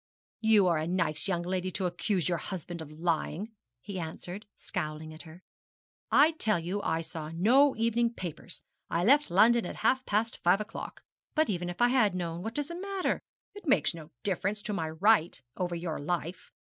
'You are a nice young lady to accuse your husband of lying,' he answered, scowling at her. 'I tell you I saw no evening papers: I left London at half past five o'clock. But even if I had known, what does that matter? It makes no difference to my right over your life.